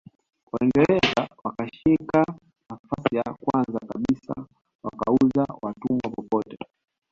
Waingereza wakashika nafasi ya kwanza kabisa wakauza watumwa popote